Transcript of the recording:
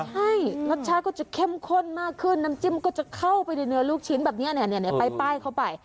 ใช่รสชาติก็จะเข้มข้นมากขึ้นน้ำจิ้มก็จะเข้าไปในเนื้อลูกชิ้นแบบนี้ป้ายเข้าไป